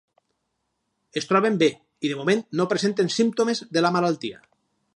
Es troben bé, i de moment no presenten símptomes de la malaltia.